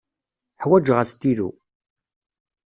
Ḥwaǧeɣ astilu.